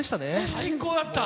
最高だった。